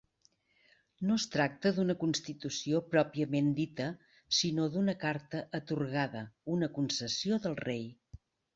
No es tracta d'una constitució pròpiament dita, sinó d'una Carta Atorgada, una concessió del Rei.